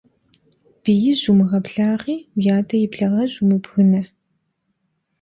Биижь умыгъэблагъи, уи адэ и благъэжь умыбгынэ.